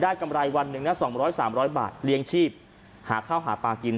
ได้กำไรวันหนึ่งน่ะสองร้อยสามร้อยบาทเลี้ยงชีพหาข้าวหาป้ากิน